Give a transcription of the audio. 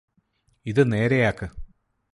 ഇത് നേരെയാക്ക്